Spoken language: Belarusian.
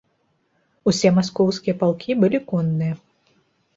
Усе маскоўскія палкі былі конныя.